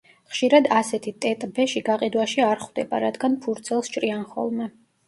ხშირად ასეთი ტეტ-ბეში გაყიდვაში არ ხვდება, რადგან ფურცელს ჭრიან ხოლმე.